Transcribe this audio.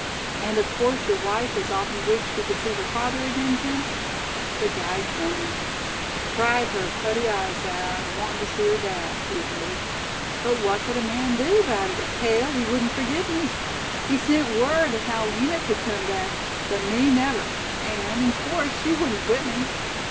"And of course your wife has often wished she could see her father again, Jim?" The guide groaned. "Cried her putty eyes out, awantin' tuh see her dad," he admitted; "but what cud a man do 'bout hit, if Cale, he wudn't forgive me? He sent word as haow Lina cud kim back, but me, never; an' in course she wudn't quit me."